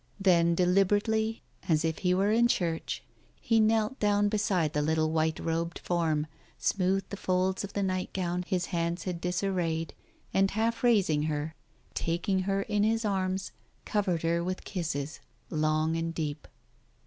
Then, deliberately, as if he were in church, he knelt down beside the little white robed form, smoothed the folds of the nightgown his hands had disarrayed, and half raising her, taking her in his arms, covered her with kisses long and deep.